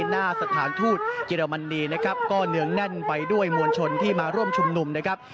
หน้าสถานทูตเยอรมนีนะครับก็เนืองแน่นไปด้วยมวลชนที่มาร่วมชุมนุมนะครับ